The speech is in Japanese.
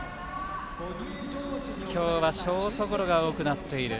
今日はショートゴロが多くなっている。